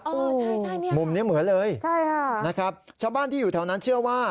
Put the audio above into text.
อ๋อใช่นี่มุมนี้เหมือนเลยนะครับชาวบ้านที่อยู่แถวนั้นเชื่อว่า